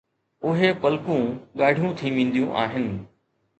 اهي پلڪون ڳاڙهيون ٿي وينديون آهن